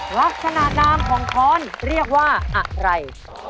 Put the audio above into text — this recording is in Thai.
ลักษณะนามของค้อนเรียกว่าอะไร